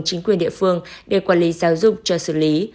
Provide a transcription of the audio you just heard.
chính quyền địa phương để quản lý giáo dục cho xử lý